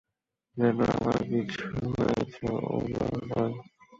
যেন আমার কিছু হয়েছে ওনার নয়।